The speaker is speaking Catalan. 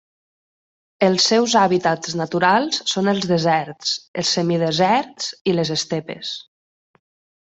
Els seus hàbitats naturals són els deserts, els semideserts i les estepes.